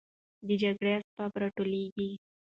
د جګړې اسباب راټولېږي.